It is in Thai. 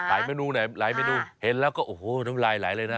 หลายเมนูไหนหลายเมนูเห็นแล้วก็โอ้โหต้องไลน์เลยนะ